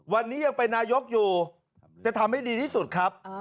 วันนี้ยังเป็นนายกอยู่จะทำให้ดีที่สุดครับ